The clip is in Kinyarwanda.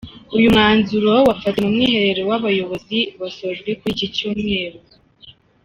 Uyu mwanzuro wafatiwe mu mwiherero w’ abayobozi wasojwe kuri iki Cyumweru .